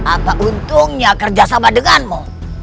apa untungnya kerjasama denganmu